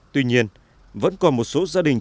tuy nhiên vẫn còn một số gia đình